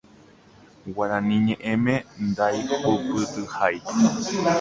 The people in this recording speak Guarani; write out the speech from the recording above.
Guarani ñe'ẽme ndaihupytyhái